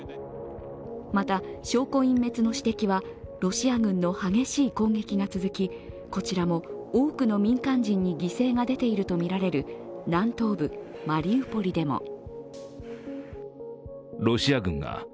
また、証拠隠滅の指摘は、ロシア軍の激しい攻撃が続き、こちらも多くの民間人に犠牲が出ているとみられる南東部マリウポリでも。